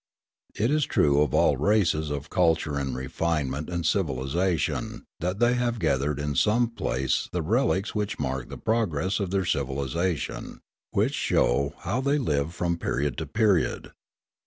It is true of all races of culture and refinement and civilisation that they have gathered in some place the relics which mark the progress of their civilisation, which show how they lived from period to period.